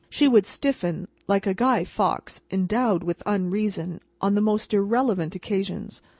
She would stiffen, like a Guy Fawkes endowed with unreason, on the most irrelevant occasions.